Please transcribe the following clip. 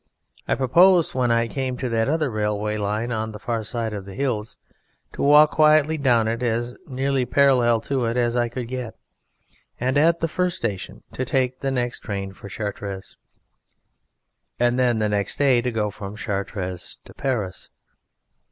I proposed when I came to that other railway line on the far side of the hills to walk quietly down it as nearly parallel to it as I could get, and at the first station to take the next train for Chartres, and then the next day to go from Chartres to Paris.